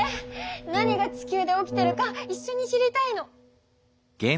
何が地球で起きてるかいっしょに知りたいの。